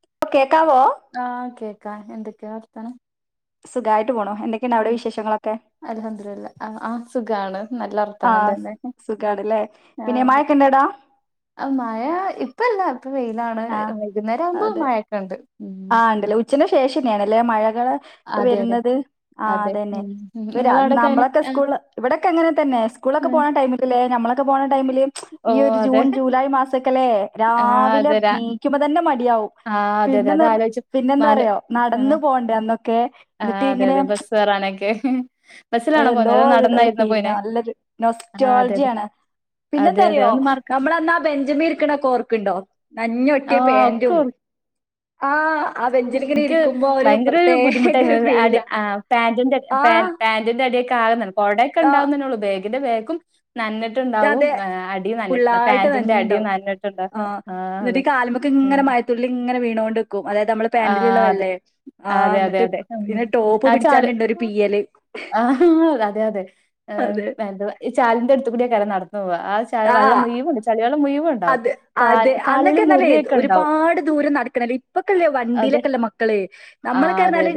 [unintelligible] കേക്കാവോ ആഹ് കേക്കാ എന്തൊക്കെയാ വർത്താനം സുഖായി ട്ട് പോണു എന്തൊക്കെയാണ് അവിടെ വിശേഷങ്ങളൊക്കെ സുഖാണ് നല്ല വർത്താനം തന്നെ ആഹ് ആ മഴ ഇപ്പൊ ഇല്ലാ ഇപ്പൊ വേ [unintelligible] വൈകുന്നേരം ആവുമ്പോ മയൊക്കെ ഉണ്ട് ആഹ് ഉണ്ടല്ലെ ഉച്ചന് ശേഷം ന്നെയാണ് അല്ലേ മഴ [unintelligible] വരുന്നത് ആ അതന്നെ. [unintelligible] നമ്മളൊക്കെ സ്കൂള് ഇവിടെക്കെ അങ്ങനെ തന്നെ സ്കൂളൊക്കെ പോണ ടൈമ്ക്ക്‌ല്ലേ ഞമ്മള [unintelligible] ടൈമില് ഈ ഒരു ജൂൺ ജൂലൈ മാസക്കെല്ലെ രാവിലെ നീക്കുമ്പോ തന്നെ മടിയാവും പിന്നെ പിന്നെന്താ അറ്യാെ നടന്നു പോണ്ടേ അന്നൊക്കെ ആഹ് അതെ അതെ ബസ് കേറാനൊക്കെ എ എന്തോ ഒരു ഫീലിംഗ നല്ലൊരു നൊസ്റ്റോളജിയ ആണ് പിന്നെ എന്താറിയോ നമ്മളന്നാ ബെഞ്ച്മ്മേ ഇരിക്ക്ണൊക്കെ ഓർക്ക് ഇണ്ടോ നൻഞ്ഞൊട്ടിയ പാൻറും ഇൻക്ക് ഭയങ്കര ഒരു ബുദ്ധിമുട്ടാ [unintelligible] ന്നു ആ [unintelligible] പാന്റും ന്റെ ട്യക്കെ ആകെ [unintelligible] കൊടെക്കെണ്ടാവുംന്ന ന്നൊള്ളൂ ബാഗ് [unintelligible] ഇതിന്റെ വേക്കും നഞ്ഞിട്ടുണ്ടാവും അടിം നനഞ്ഞിട്ട്ണ്ടാ പാന്റിന്റെ അടിം നനഞ്ഞിട്ട്ണ്ടാ ആഹ് അതെ ആഹ് അതെ അതെ അതെ അതെ ഉം ആഹ് ചാല് ആഹ് അതെ അതെ എന്താ ഇ ചാലിന്റെ എടുത്തുകൂടി എടനടു [unintelligible] നോവ. ആ ച വെള്ളം മുഴ്യും ചളി വെള്ളം മു ഴ് അതെ അതെ അന്നൊക്കെന്നല്ലേ ഒരുപാട് ദൂരം നടക്ക്ണല്ല ഇപ്പൊ ക് വണ്ടീലക്കൊല്ലെ മക്കളെ നമ്മളൊക്കെ റ്ഞ്ഞാല്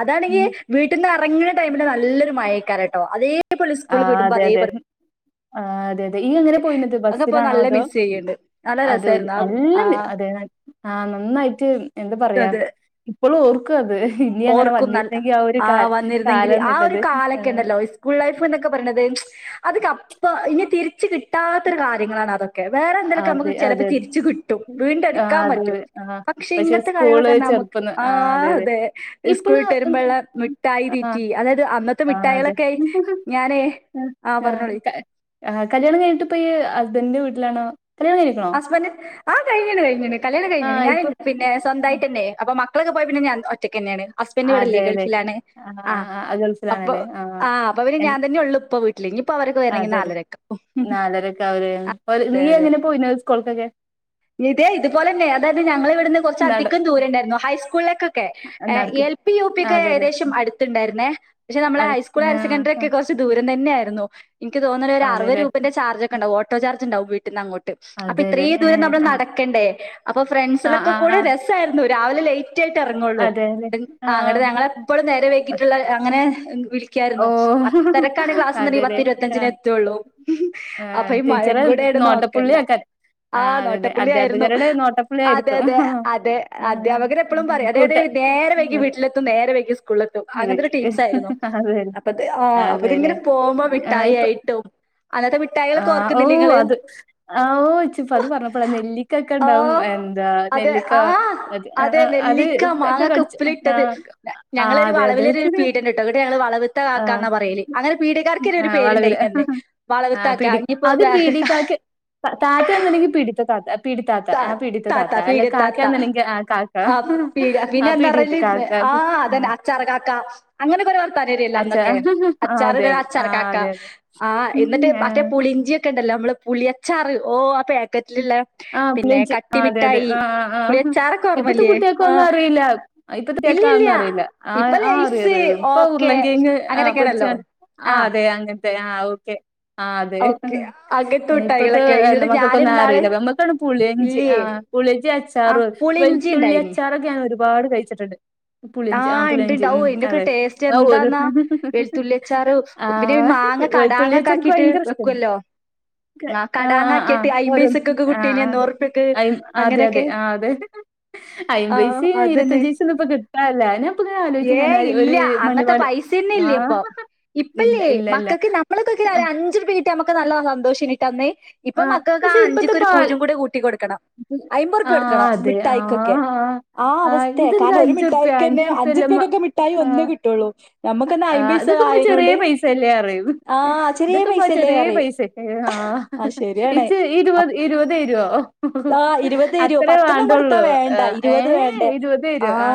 അതാണെങ്കി വീട്ടീന്ന് അർ ങ്ങ്ണ ടൈമില് നല്ലൊരു മയെയ്ക്കാരട്ടോ അതേ പോലപ്പോ സ്കൂൾ വിടുമ്പോ അതേപോലെ ആ അതെ അതെ ഈ പോയിന്നത് ബസ്സിലാണോ അതോ അത് നല്ല അതെ ആ നന്നായ് റ്റ് എന്ത് പറയാൻ എപ്പളും ഓർക്കത് ഓർക്കുന്നല്ല ആ വന്നിരുന്നെങ്കിൽ ആ ഒരു കാലക്കെണ്ടല്ലോ സ്കൂൾ ലൈ ഫ്നൊക്കെ പറീണത് അപ്പ ഞ്ഞി തിരിച്ച് കിട്ടാത്തൊരു കാര്യങ്ങളാണ് അതൊക്കെ വേറെ എന്തലൊക്കെ നമ്മക്ക് ചെലപ്പോ തിരിച്ച് കിട്ടും വീണ്ടെട്ക്കാൻ പറ്റും പക്ഷെ ഇങ്ങത്തെ കാര്യങ്ങളൊക്കേന്ന് പറഞ്ഞാ നമ്മക്ക് ആ തെ ഇപ്പളും ആ ആഅതെ കല്യാണം കഴഞ്ഞിട്ട്പ്പോ ഈ ഹസ്ബൻഡ് വീട്ടിലാണോ അസ്ബന്റ് ആ കഴിഞ്ഞണ് കഴിഞ്ഞണ് കല്യാണം കയ്ഞ്ഞിണ് ഞാന് പിന്നെ സ്വന്തായിറ്റന്നേ അക്ക മക്ക മക്കളൊക്കെ പോയാ പിന്നെ ഞാ ഒറ്റ നൊറ്റക്കെന്നേണ് ഹസ്ബന്റ് വടെല്ലേയ്നും ഗൾഫിലാണ് ആ അപ്പൊ ആ അപ്പൊ ഞാൻ തന്നെള്ളു ഇപ്പൊ വീട്ടില് ഇനിയിപ്പോ അവര് വരണങ്ങി നാലരക്കെ ആവും അതെ അതെ ഇതേ ഇതുപോലെന്നെ അതായത് ഞങ്ങളെ ഇവിടുന്ന് കുറച്ച് അധികം ദൂരം ഉണ്ടായിരുന്നു ഹൈ കുൾക്ക് ക്കെ എൽ പി യു പി ഒക്കെ ഏകദേശം അട്ത്ത്ണ്ടായിര്ന്നേ പക്ഷെ നമ്മളെ ഹൈസ്കൂൾ ഹയർ സെക്കൻഡറി ഒക്കെ കുറച്ച് ദൂരം തന്നെയായിരുന്നു ര്ന്നു എനിക്ക് തോന്ന്ന്നത് ഒര് അറപത് രൂപന്റെ ചാർജക്കെണ്ടാവും ഒ ചാർജ്ജ് ണ്ടാവും വീട്ട്ന്ന് അങ്ങോട്ട്‌ അപ്പൊ ഇത്രേം ദൂരം നമ്മൾ നടക്കണ്ടേ അപ്പൊ ഫ്രണ്ട്സിലൊക്കെ കൂടെ രസയിരുന്നു രാവിലെ ലൈറ്റ് കൃത്യായിറ്റേ എറങ്ങുള്ളൂ അങ്ങടെ ഞങ്ങളെപ്പോഴും നേരെ വെക്കിട്ടുള്ള അങ്ങനെ [unintelligible] വിളിക്കായിരുന്നു പത്തരക്കാണ് ക്ലാസ് പത്തി ഇരുപത്തഞ്ചിനെ എത്തുള്ളൂ അപ്പൊ ഈ മഴം കൂടെ ആ നോട്ടപ്പുള്ളിയ ആയിരുന്നു അതെ അതെ അതെ അധ്യാപകന് എപ്പോഴും പറയും അതെ അതെ നേരെ വൈി വീട്ടിലെത്തും നേരെ ത്തും അങ്ങനത്തെ ഒരു ടീച്ചറായിരുന്നു അപ്പ ആ അപ്പ ഇങ്ങനെ പോകുമ്പോ മിട്ടായിയായിട്ടും അന്നത്തെ മിഠായികളൊക്കെ ഓർക്കുന്നില്ല നിങ്ങള് ആ ഓ ചച്ചിപ്പ അത് പറഞ്ഞപ്പോടാ നെല്ലിക്ക ഒക്കെ ഉണ്ടാവും എന്താ നെല്ലിക്ക അത് ഒക്കെ കടിച്ച ആ ആ അതെ അതെ ആഹ ആ വളവില് ആ അത് പീടിക്കാക്ക് താത്തയാന്നണ്ടെങ്കി പിടിത്താത്ത പിടിത്താത്ത ആ പിടിത്ത താത്ത അല്ല കാക്കന്നണെങ്ക ആ കാക്ക ആ പിടി കാക്ക ആ അങ്ങനെ തലേല്ല്ലാന്നക്കെ അച്ചാറ് അച്ചാർ കാക്ക ആ എന്നിട്ട് മറ്റേ പുളിഞ്ചി ണ്ടല്ലോ നമ്മള് പുളിയച്ചാറ ഓ പഴ ഇല്ല്ല്ല അതെ അതെ ആ ഇപ്പത്തെ കുട്ടികക്കാന്നും അറിയില്ല ഇപ്പ തേക്കാന്നും അറിയില്ല ആ അറിയ അറിയറ ഇപ്പൊ ഉരുളങ്കിങ് ആ പൊടിച്ച ആ അതെ അങ്ങനത്തെ ആഹ ഓക്കെ ആ അതെ ഇപ്പത്തെ എ മക്കൊക്കെ ഒന്നും അറിയില്ല പുളി അഞ്ച് ആ പുളി അച്ചാറ് വെലുത്തുള്ളി അച്ചാറൊക്കെ ഒരുപാട് കഴിച്ചിട്ടുണ്ട് ആഹ് ഇണ്ട്ണ്ടാവന്റെക്കെ ടേസ്റ്റ് എന്താന്നാ വെളുത്തുള്ളിച്ചാറ് പിന്നെ മാങ്ങ കടാങ്ങ ഒക്കെ ആക്കിട്ട് വെക്കുവല്ലോ ആ കടാങ്ങ ആക്കിയിട്ട് അയിമ്പൈസക്കെൊക്കെ കട്ട ആ ആ അതെ അതെ ആ അതെ അയിമ്പൈസെ ഇരുപത്തഞ്ച് വൈസ ഒന്ന ഇപ്പ കി ഏ ഇല്ല അങ്ങനത്തെ പൈസ തന്നെ ഇല്ല്യ അപ്പൊ ഇപ്പല്ല്യേ മക്കൾക്ക് നമ്മൾക്കക്ക അഞ്ച് പ നമുക്ക് നല്ല സന്തോഷിട്ട അന്നെ ഇപ്പൊ മക്കൾക്ക് ആ അഞ്ചിക്കൊരു പൂജ്യം കൂടെ കൂട്ടി കൊടുക്കണം ആ അതെ ആ ഇതന്ത് അഞ്ചറ്പ്യ ന്നെ അഞ്ചുപക്കൊക്കെ മിട്ടായി ഒന്നെ കിട്ടുള്ളൂ ആ് അതൊക്കുമ്പോ ചെറിയ പൈസയല്ലേ റയും ഇതക്കുമ്പോ ചെറിയ പൈസ ആ ഇരുപത് ഇരുപത് രൊ അത്രയേ വേണ്ടുള്ളൂ ആ ഏ ഇരുപതരൊ ആ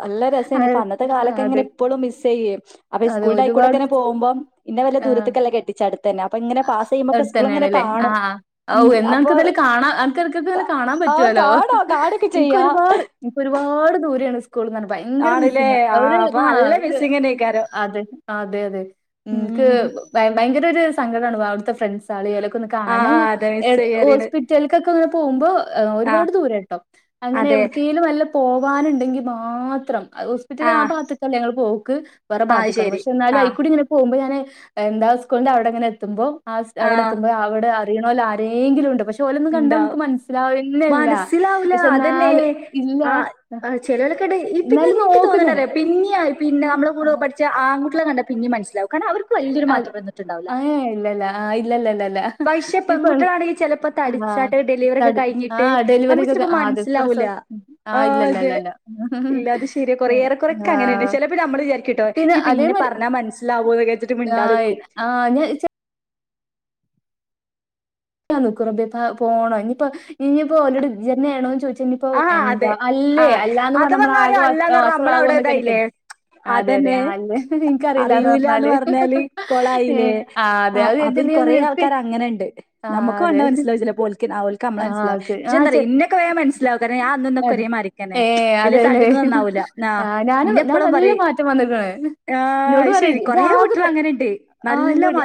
നല്ല രസന ഇപ്പൊ അന്നത്തെ കാലൊക്കെ ഇങ്ങനെ ഇപ്പളും മിസ്സ് ചെയ്യയ് അപ്പൊ സ്കൂളിന്റെയിക്കൂടെക്കൊങ്ങനെ പോവുമ്പോ ഇന്നെ വല്ല ദൂരത്തക്കല്ല കെട്ടിച്ചെ അട്ത്ത് അടുത്ത തന്നേണല്ല ആ ഔ എന്ന അൻക്ക് ഇന്നാലും കാണ അൻക് എടക്ക് എടക്ക് ഇങ്ങനെ കാണാൻ പറ്റോല്ലോ ഇൻക്ക് ഒരുപാട് ഇൻക്ക് ഒരുപാട് ദൂരെയാണ് സ്‌കൂ സ്‌കൂൾ പറഞ്ഞ ഭയങ്കര മിസ്സിംഗ് ഒരു ആ ഒരു അതെ അതെ അതെ ഇൻക്ക് ഭയങ്ക ഭയങ്കര ഒരു സങ്കടമാണ് അവിടുത്തെ ഫ്രണ്ട്സാളി ഓലെ ഒക്ക് ഇടക്കൊന്ന് കാണ ഞാൻ ഹോസ്പിറ്റൽക്കൊക്കെ ഇങ്ങനെ പോകുമ്പോ ഒരുപാട് ദൂരം കേട്ടോ അങ്ങനെ എവ്ട്കേലും വല്ല പോവാനുണ്ടെങ്കി മാത്രം. ഹോസ്പിറ്റല് ആ ഭാഗത്ത്ക്ക ഞങ്ങള് പോവും. ക്ക് വേറെ ബാഗത്ത്ക്കാണ് പക്ഷ എന്നാലും ഐക്കൂടി ഇങ്ങനെ പോകുമ്പോ ഞാന് എന്താ സ്കൂൾൻ്റെ അവിടെങ്ങനെ തുമ്പോ ആ അവിടെ എത്തുമ്പോ അവിടെ അറിയിണോല് ആരെങ്കിലും ഉണ്ട് പക്ഷെ ഓലൊന്നും കണ്ട നമുക്ക് മനസ്സിലാവന്നല്ല പക്ഷെ എന്നാല് ഇല്ല എന്നാലും നോക്കും ഞാന് പിന്നെ നമ്മുടെ കൂടെ പഠിച്ച ആൺകു കുട്ട്യാളെ കണ്ട പിന്നിം മനസിലാവും കാരണം അവ അ ആഹ ഇല്ലല്ല ആഹ് ഇല്ലല്ല ഇല്ല പക്ഷേ പെൺകുട്ടികളാണെങ്കിൽ ചിലപ്പോ തടിച്ചാട്ട് ഡെലിവറി ഒക്കെ കഴിഞ്ഞിട്ട് നമുക്ക് ചിലപ്പോ മനസ്സിലാവൂല്ല ആ അതെ ഇല്ല അത് ശരിയ കുറേ ഏറെ ക്കൊറെ ഒക്കെ അങ്ങനെയാണ് ചിലപ്പോ നമ്മള് വിചാരിക്കൂട്ടോ ഇനി ഇപ്പോ ഇന്നെ പറഞ്ഞാ മനസ്സിലാ ആ ആഹ് ഞാ ചെ [unintelligible] പോണോ ഇനിയിപ്പോ ഇനിയിപ്പോ ഓല് ഡിഗ്രി എന്നേണോ ആണോന്ന് ചോദി [unintelligible] എന്താ അല്ലേ അല്ലാന്ന് പറഞ്ഞ നമ്മളാകെ വസളാകുമൊ എന്നൊക്കെ എനക്ക് അതെ അതെ അല്ലേ എനിക്കറിയില്ലാന്ന് പറഞ്ഞാല് ആ അതെ അത് ച നമുക്ക് കണ്ട മനസ്സിലാവും ചെലപ്പൊ ആ ഓൽക് ആ ഓൽക്ക് ഞമ്മളെ മനസ്സി [unintelligible] പക്ഷെ എന്താറിയോ ഇന്നെ ഒക്കെ വേം മനസ്സി അത് ഏ അതേലേ ആ ഞാൻ ഞാൻ നല്ല മാറ്റം വന്ന്ക്ക്ണ് ഇന്നോട് പറീം ഇജ്ജ് ആകെ തടി ആ ഇന്നോട്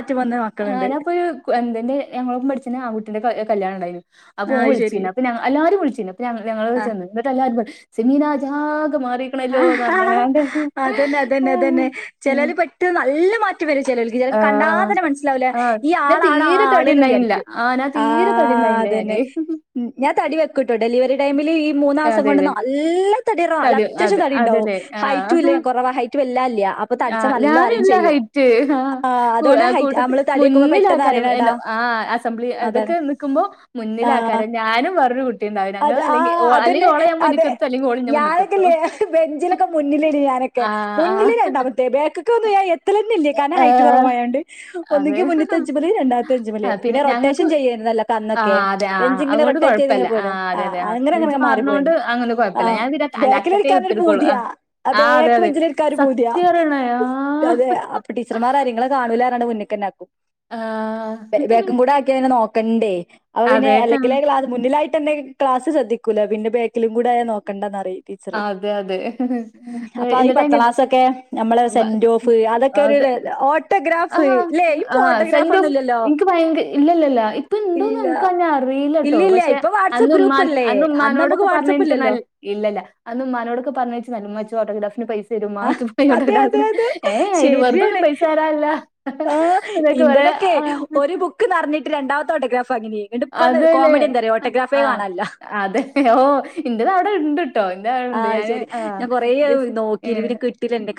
ആ ഞാപ്പൊഒരു എന്തന്റെ ഞങ്ങളൊപ്പം പഠിച്ച ആൺകുട്ടിന്റെ കല്യാണം ഇണ്ടായീനു അപ്പൊ ഓംവിളിച്ചീനു അപ്പൊ ഞങ്ങ എല്ലാരിം വിളിച്ചു പിന്നെപ്പൊ ഞങ്ങള [unintelligible] ഇന്നട്ടെല്ലാരു പറയും സിമീനാ ജാ ആ അതന്നെ അതന്നെ അതന്നെ ചെലോല് പെട്ടന്ന് നല്ല മാറ്റം വരും ചെലോൽക്ക് [unintelligible] കണ്ടാതന്നെ മനസ്സിലാവൂല ഈ ആളാണൊ ആ ആള്ന്ന് വിചാരിക്കും ആ അതന്നെ ഞാൻ തടി വെക്കൂട്ടോ ഡെലിവറി ടൈമില് ഈ മൂന്നാസം കൊണ്ട് നല്ല തടി [unintelligible] അതെ അതെല്ലേ ആ ആ ഞാനല്ല ഹൈറ്റ് ആ കൂട്ടത്തി മുന്നില ആക്കാരം എന്താ ആ് അസംബ്ലി ഇതൊക്കെ നിൽക്കുമ്പോ മുന്നില ആക്കാരം. ഞാനും വേറൊരു കുട്ടിയുണ്ടാവും ഞങ്ങള് അല്ലെങ്കിൽ അല്ലെങ്കിൽ ഓളെ ഞാൻ മുന്നിക്ക് നിർത്തും അല്ലെങ്കിൽ ഓള് ഇന്നെ മുനിക്ക് നിർത്തു ബെഞ്ചിലൊക്ക മുന്നിലി ഞാനൊക്കെ മുന്നില് രണ്ടാമത്തെ ബേക്ക്ക്കൊക്കെ ഒന്ന് ഞാൻ എത്ത ന്നില്ല. കാരണം ഹൈറ്റ് കുറവായോണ്ട്. ഒന്നുങ്കി മുന്നത്തെ ബെഞ്ച്മ്മല് രണ്ടാമത്തെ ബെഞ്ച്മല്. പിന്നെ റൊട്ടേഷൻ ചെയ്യേരുന്നല്ലോ അന്നൊക്കെ. ബെഞ്ച് ഇങ്ങനെ റൊട്ടേറ്റ് ചെയ്ത്ങ്ങനെ പോയിട്. ആ അങ്ങനെ അങ്ങനെ മാറി പോയിന്. ബേക്കിലിരിക്കാനൊരു പൂതിയാ. ആ ബേക്ക് ബെഞ്ചിലിരിക്കാനൊരു പൂതിയാ. അതെ അപ്പൊ ടീച്ചർമാര് പറിയും നിങ്ങളെ കാണൂല പറഞ്ഞാണ്ട് മുന്നിക്കന്നെ ആക്കും. വേക്കും കൂടെ ആക്കിയ പിന്നെ നോക്ക കണ്ടേ അപ്പൊ പിന്നെ അല്ലെങ്കിലേ ക്ലാസ്സ്‌ മുന്നിലായിട് പിന്നെ ക്ലാസ് ശദ്ധിക്കൂല. പിന്നെ ബേക്കിലും കൂടെ ആയാ നോക്കണ്ടന്നറിയും അതെ അതെ. എന്നിട്ട് അയിന്റാത്. ആ ആ സെന്റ് ജോസ്, എനിക്ക് ഭയങ്ക, ഇല്ലല്ല ഇപ്പ ഇണ്ടോന്ന് എനക്കങ്ങനെ അറിയില്ലട്ടോ. പക്ഷെ, അന്നുമ്മാൻ അന്നുമ്മാനോടൊക്കെ പറഞ്ഞ എനിക്ക് നൽ ഇല്ലല്ല അന്ന് ഇമ്മാനോടൊക്കെ പറഞ്ഞയച്ച് പറഞ്ഞ് ഉമ്മാച്ച് ഓട്ടോഗ്രാഫിന് പൈസ് പെരുമാറ്റം [unintelligible] ഏ വെറുതൊന്നും പൈസ തരാല്ല ആ ഇന്റെതൊക്കെ ഒരു ബുക്ക് നറഞ്ഞിട്ട് രണ്ടാമത്തെ ഓട്ടോ ഗ്രാഫ് അതല്ലേ? ആ അതെ ഓ. ഇന്റെത് അവിടെ ഇണ്ട്ട്ടോ. ഇന്റെ അവിടെണ്ട്. ഞാന് ആഹ് ഏ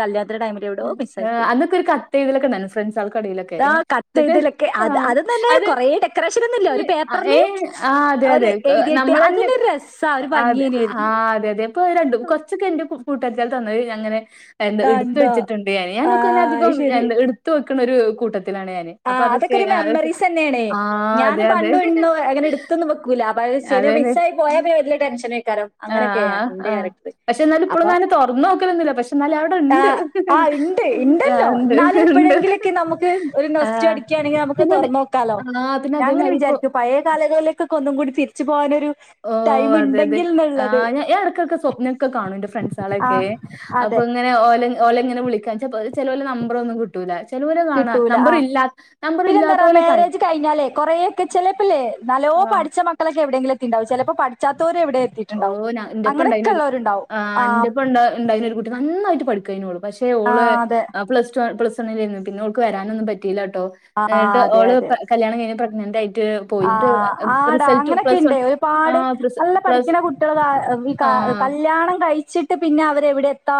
കല്യാ ഏഹ് അന്നൊക്കെ ഒരു കത്തെയ്തലൊക്കെ ഇണ്ടാര്ന്ന സ് ആ കത്തെയ്തലൊക്കെ. അത് അതെന്ന് പറഞ്ഞാല് കൊറേ ഡെക്കറേഷനൊന്നുല്ല. ഒരു പേപ്പർല് ഒരു എഴുതിയിട്ട് അതിനൊരു രസാ, ഒരു ഭംഗിയന്നേര്ന്ന്. ഇപ്പം അത് രണ്ടും. കൊറച്ചൊക്കെ എന്റെ കും കൂട്ടച്ചാൽ തന്നത് പിന്നങ്ങനെ എന്ത ഇട് വെച്ചിട്ടുണ്ട് ഞാന്. ഞാനൊക്കെ ഒന്ന് അധികം എ ഇടുത്ത് വെക് ക്ക്‌ന്നൊരു കൂട്ടത്തി ആ അതൊക്കെ ഒരു മെമ്മറീസ് തന്നേണ്. ഞാൻ പണ്ടും ഇന്നും അങ്ങനെ എടുത്തൊന്നും വെക്കൂല അപ്പ അത് ശരി മിസ്സായി പോയാ വലിയ ടെൻഷനായി ആ ആഹ് ആഹ് ആഹ്. പക്ഷെ എന്നാലും ഇപ്പളൊന്നും അങ്ങനെ തൊറന്ന് നോക്കലൊന്നില്ല. പക്ഷെ എന്നാലും അവിടെ ഇണ്ട്. ആ ഇണ്ട് ഇണ്ട് ച്ചൊടിക്കയാണെങ്കിൽ നമുക്ക് തൊറന്ന് നോക്കാലോ. ഞാൻ ഇങ്ങനെ വിചാരിക്കും പഴയ കാലങ്ങളിലേക്കൊന്നും കൂടി തിരി ച്ച് പോല് ഓ അതെ അതെ. ആ ഞാൻ എടക്കൊക്കെ സ്വപ്നൊക്കെ കാണും എന്റെ ഫ്രണ്ട്സാളൊക്കേ. അപ്പൊ ഇങ്ങനെ ഓലെ ഓലെങ്‌ ഇങ്ങനെ വിളിക്കാച്ച ചെലോലെ നമ്പറൊന്നും കിട്ടൂല കിട്ടൂല ആഹ്. പിന്നെന്താറിയോ മേരേജ് കഴിഞ്ഞാല് കോറേക്കെ ചെലേപ്പല്ലെ നല്ലോ പഠ്ച്ച മക്കളെക്കെ എവിടെങ്കിലെത് തിണ്ടാവും ചെലപ്പോ പട്ച്ചാത്തോ ഓ ഞാ എന്റെപ്പ ഉണ്ടായിനൊരു, ആ എന്റെപ്പണ്ടായി ഉണ്ടായിന് ഒരു കുട്ടി നന്നായിട്ട് പഠിക്കേനു ഓള് പക്ഷെ ഓള് പ്ലസ് ടു പ്ലസ് [unintelligible] പിന്നെ ഓൾക്ക് വരാൻ ഒന്നും പറ്റയില്ല ഇങ്ങട്ട് ഓള് കല്യാണം കഴിഞ്ഞ പ്ര നിന്റെ ആഹ ആടാ അങ്ങനെയൊക്കെ ഇണ്ട് ഒരുപാട് നല്ല പഠിക്ക ഠിക്കുന്ന കുട്ടികൾ കല്യാണം കഴിച്ചിട്ട് പിന്നെ അവരെവിടെ എത്താ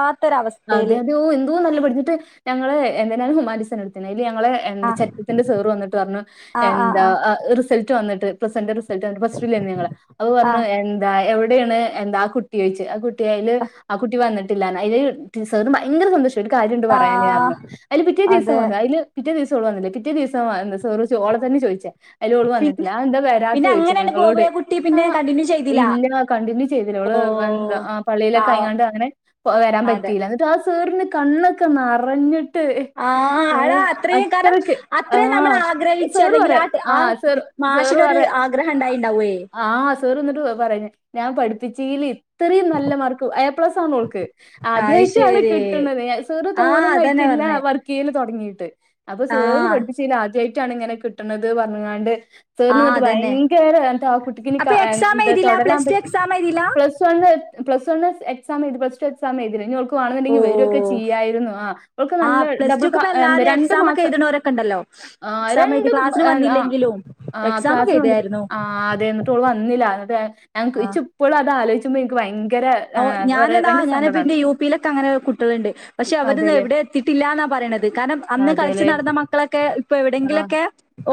അതെ അതെ ഓ എന്തോ നല്ല പഠിച്ചിട്ട് ഞങ്ങള് എന്താലും [unintelligible] ഞങ്ങളെ എ ചരിത്രത്തിന്റെ സർ വന്നിട്ട് പറഞ്ഞു എന്താ റിസൾട്ട് വന്നിട്ട് പ്രസന്റ റി [unintelligible] അപ്പോപറഞ്ഞു എന്താ എവ എവിടെയാണ് എന്താ ആ കുട്ടിയ്‌ച്ചു ആ കുട്ടിഅയല് ആ കുട്ടി വന്നിട്ടില്ല അതില് സർ ന് ഭയങ്കര സന്തോഷം ഒരു കാര്യണ്ട് പറയാന് പറഞ്ഞു അയ്‌ല്‌പിറ്റേ ദിവസം അയ്‌ല്‌പിറ്റേസം ഓൾ വന്നില്ല പിറ്റേ ദിവസംഓളെ തന്നെ ചോയ്‌ച്ച അയ്‌ല് ഓള് വന്നിട്ടില്ല അത് എന്താ വരാത്ത ചോദിച്ചു ഞങ്ങളോട് ആ ഇല്ല കണ്ടിന്യൂ ചെയ്തില്ല ഓ എന്താ പള്ളിയിലൊക്കെ അയാണ്ട് അങ്ങനെ വരാൻ പറ്റി ആ സാറിന് കണ്ണൊക്കെ നറഞ്ഞിട്ട് ഏ അത്രക്ക് ആ സാർ പറയാ ആസാർപറയാ ആ സാർ വന്നിട്ട് പറയാ ഞാൻ പഠിപ്പിച്ചൽ ഇത്രയും നല്ല മാർക്ക് എ പ്ലസ് ആണ് ഓൾക്ക് ആദ്യയിട്ടാണ് കിട്ടത് സറ് തോനന്നും ആയിട്ടില്ല വർക്ക് ചെയ്യ തുടങ്ങിയിട്ട് അപ്പോ സേർ പഠിപ്പിച്ചൽ ആദ്യമായിട്ട് [unintelligible] ഇങ്ങനെ കിട്ടണുന്നത് പറഞ്ഞാണ്ട് സർ ന് ഇങ്ങട്ട് ഭയങ്കര എന്ന ആ കുട്ടിക്ക്നി കഎന്താ തുടരാൻ പറ്റി പ്ലസ് വൺി പ്ലസ് എക്സാംഎഴുതി പ്ലസ്റ്റു സമയത്തിന് ഇനി ഓൾക്ക് മാണന്നുണ്ടായിൽവരൊക്കെ ചെയ്യായിരുന്നു. ആ ഓൾക്ക് നല്ല ഡ പിൾ പ രണ്ട് മാസ ആ രണ്ട് മാസ കാശവന്നിട്ട് ആ അതെ ഇങ്ങട്ട് ഓൾ വന്നില്ല. അങ്ങ ഇച്ച് ഇപ്പളും അത് ആലോച് [unintelligible] ഭയങ്ക ഭങ്കര എ പറയ ഭയങ്കര ഞാൻ എന്റെയു പിയിലൊക്കെ അങ്ങനെ കുട്ടികളുണ്ട് പക്ഷെ അവര്ന്ന് എവിടെ എത്തിട്ടില്ലന്ന പറയത് കാരണം അന്ന് കളിച്ച് നടന്ന മക്കളൊക്കെ ഇപ്പൊ എവിടെെങ്കിലൊക്കെ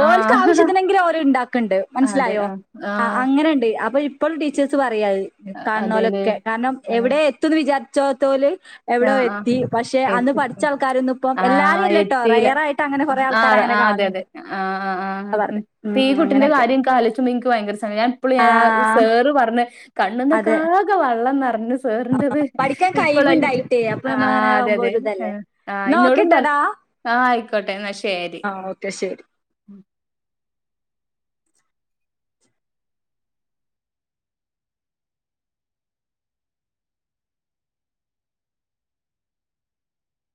ഓല്ക്ക്ആശ്യത്തിനെങ്കിലും ഓല് ഇണ്ടാക്കു ഓകെണ്ട് മനസിലായോ ആ അങ്ങനെണ്ട് അപ്പൊ ഇപ്പോൾടീച്ചേഴ്സ് പറയു അത് അതെ ലോ കെ കാരണം എവിടെ എത്തുന്നുവിചാ ചോത്തോല് ആ ആ ആ എത്തില ആ അതെ അതെ ആ ആ ആ് തീഈ കുട്ടിന്റെ കാര്യം കാലിച്ചുമ്പ എനിക്ക് ഭയങ്കര സമയം ഞാൻ ഇപ്പോഴും ഞാൻ ആ സേറ് പറഞ്ഞ കണ്ണ് എന്നൊക്കെ ആകെ വെള്ളം ന ഇന്ന് സ്കു വേറണ്ടത് ഇപ്പോളല്ലിച്ച ആ ആ അതെ അതെ ആ ഇന്നോടും പറ ആഹ ആയിക്കോട്ടെ എന്നാ ശരി